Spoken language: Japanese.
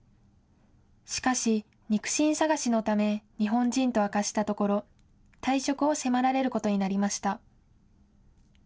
しかし、肉親捜しのため日本人と明かしたところ退職を迫られることになりました。